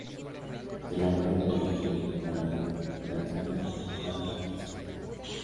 Se la encuentra en Kenia, Malaui, Tanzania, Uganda, y Zambia.